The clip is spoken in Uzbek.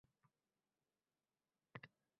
Vatanning dardi